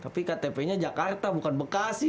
tapi ktp nya jakarta bukan bekasi